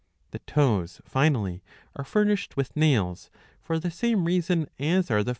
The toes, finally, are furnished with nails for the same reason as are the 690b.